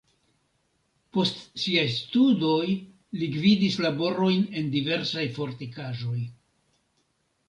Post siaj studoj li gvidis laborojn en diversaj fortikaĵoj.